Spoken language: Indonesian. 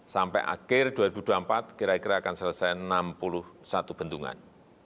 sampai akhir dua ribu dua puluh empat kira kira akan selesai enam puluh satu bendungan